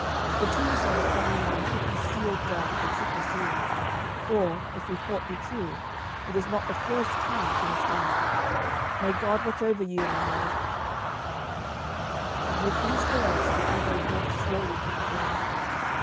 The tombstone of Clarimonde should be sealed down with a triple seal, for, if report be true, it is not the first time she has died. May God watch over you, Romuald!' And with these words the Abbé walked slowly to the door.